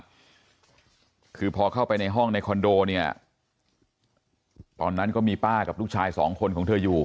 คือพอเข้าไปในห้องในคอนโดเนี่ยตอนนั้นก็มีป้ากับลูกชายสองคนของเธออยู่